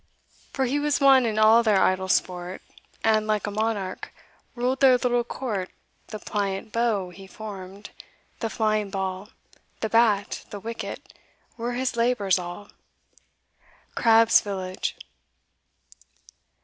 For he was one in all their idle sport, And like a monarch, ruled their little court The pliant bow he formed, the flying ball, The bat, the wicket, were his labours all. Crabbe's Village.